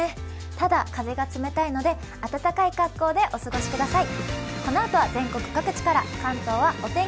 ただ、風が冷たいので暖かい格好でお過ごしください。